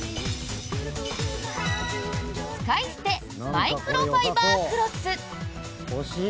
使い捨てマイクロファイバークロス。